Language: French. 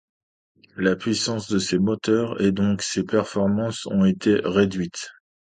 La puissance de ses moteurs, et donc ses performances ont été réduites.